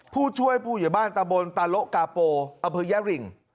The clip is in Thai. ผู้ช่วยผู้อยู่บ้านตะบนตะโลขาโปอัพพิยาริง